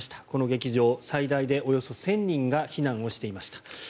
この劇場最大でおよそ１０００人が避難をしていました。